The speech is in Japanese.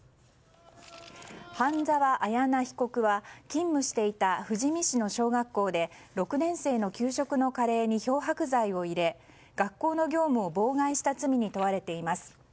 半沢彩奈被告は、勤務していた富士見市の小学校で６年生の給食のカレーに漂白剤を入れ学校の業務を妨害した罪に問われています。